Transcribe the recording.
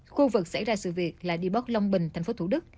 khu vực xảy ra sự việc là đề bốt long bình thành phố thủ đức